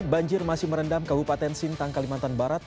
banjir masih merendam kabupaten sintang kalimantan barat